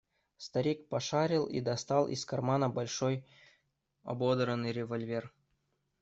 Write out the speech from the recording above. Старик пошарил и достал из кармана большой ободранный револьвер.